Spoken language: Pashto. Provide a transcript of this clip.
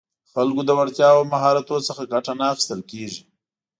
د خلکو له وړتیاوو او مهارتونو څخه ګټه نه اخیستل کېږي